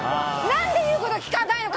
なんで言うことを聞かないの？